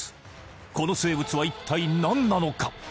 この生物は一体何なのか？